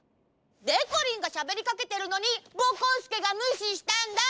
でこりんがしゃべりかけてるのにぼこすけがむししたんだ。